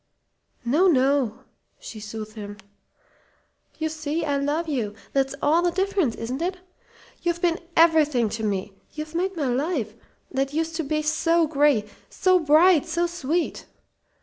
"No no," she soothed him. "You see, I love you. That's all the difference, isn't it? You've been everything to me. You've made my life that used to be so gray so bright, so sweet.